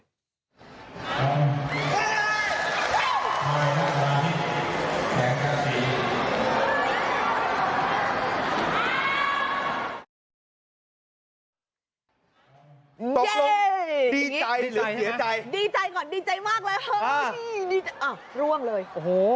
ดีใจหรือเผียบใจดีใจก่อนดีใจมากเลยเฮ้ยอ่ะร่วมเลยโอ้โห